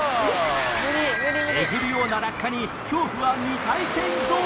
えぐるような落下に恐怖は未体験ゾーンへ！